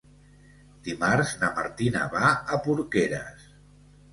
Dimarts na Martina va a Porqueres.